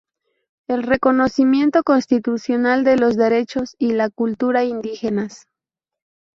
El reconocimiento constitucional de los derechos y la cultura indígenas.